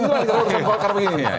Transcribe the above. gara gara urusan golkar begini